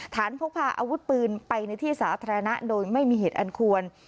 พกพาอาวุธปืนไปในที่สาธารณะโดยไม่มีเหตุอันควร